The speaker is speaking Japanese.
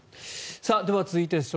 では、続いてです。